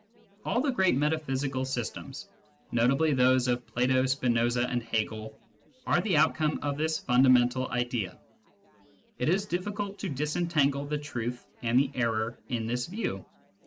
All the great metaphysical systems — notably those of Plato, Spinoza, and Hegel — are the outcome of this fundamental idea. It is difficult to disentangle the truth and the error in this view.